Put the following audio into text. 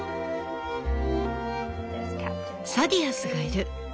サディアスがいる。